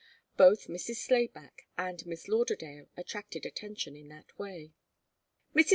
Both Mrs. Slayback and Miss Lauderdale attracted attention in that way. Mrs.